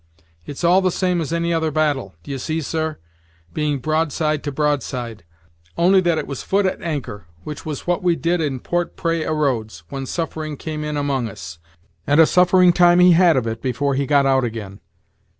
It's all the same as any other battle, d'ye see sir, being broadside to broadside, only that it was foot at anchor, which was what we did in Port Pray a roads, when Suff'ring came in among us; and a suff'ring time he had of it before he got out again."